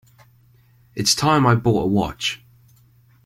It's time I bought a watch.